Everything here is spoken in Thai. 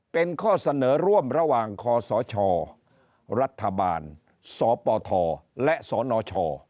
เป็นข้อเสนอร่วมระหว่างคศรัฐบาลสปทและสนช